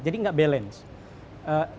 jadi tidak balance